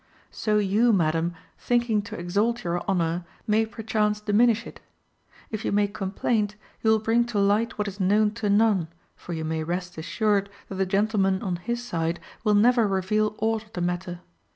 So you, madam, thinking to exalt your honour, may perchance diminish it. If you make complaint, you will bring to light what is known to none, for you may rest assured that the gentleman on his side will never reveal aught of the matter.